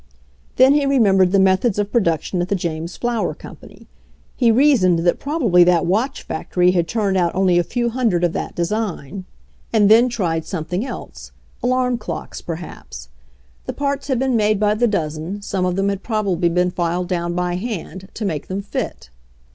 Then he remembered the methods of produc tion at the James Flower Company. He reasoned that probably that watch factory had turned out only a few hundred of that design, and then tried 30 HENRY FORD'S OWN STORY something else — alarm clocks, perhaps. The parts had been made by the dozen, some of them had probably been filed down by hand, to make them fit.